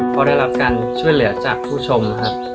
พอได้รับการช่วยเหลือจากผู้ชมครับ